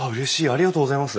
ありがとうございます。